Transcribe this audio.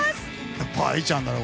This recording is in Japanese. やっぱＡＩちゃんだね。